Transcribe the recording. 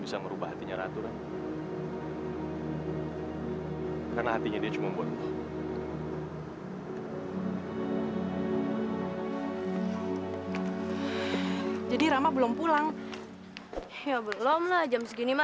sampai jumpa di video selanjutnya